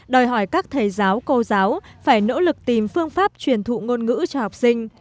đòi hỏi các thầy giáo cô giáo phải nỗ lực tìm phương pháp truyền thụ ngôn ngữ cho học sinh